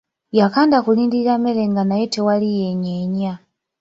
Yakanda kulindirira mmere nga naye tewali yeenyenya.